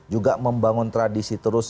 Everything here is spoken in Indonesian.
juga membangun tradisi terus